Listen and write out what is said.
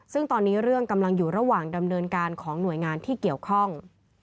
ซึ่งตอนนี้เรื่องกำลังอยู่ระหว่างดำเนินการของหน่วยงานที่เกี่ยวข้อง